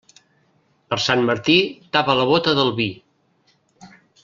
Per Sant Martí, tapa la bóta del vi.